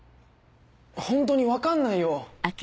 ホントに分かんないよ！